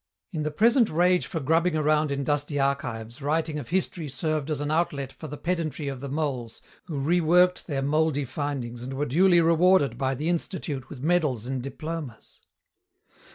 In the present rage for grubbing around in dusty archives writing of history served as an outlet for the pedantry of the moles who reworked their mouldy findings and were duly rewarded by the Institute with medals and diplomas.